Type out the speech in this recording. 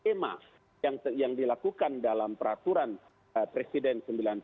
tentang perubahan skema yang dilakukan dalam peraturan presiden sembilan puluh tiga